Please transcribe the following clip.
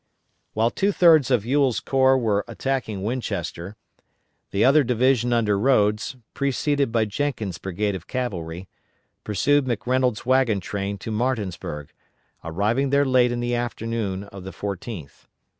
While two thirds of Ewell's corps were attacking Winchester, the other division under Rodes, preceded by Jenkins' brigade of cavalry, pursued McReynolds' wagon train to Martinsburg, arriving there late in the afternoon of the 14th.